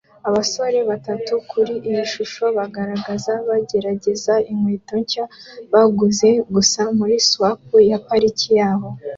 Abasore batatu kuri iyi shusho bagaragara bagerageza inkweto nshya baguze gusa muri swap ya parike yaho